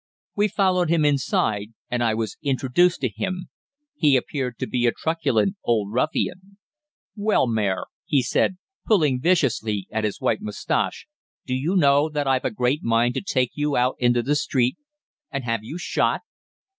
We followed him inside, and I was introduced to him. He appeared to be a truculent old ruffian. "'Well, Mr. Mayor,' he said, pulling viciously at his white moustache, 'do you know that I've a great mind to take you out into the street and have you shot?'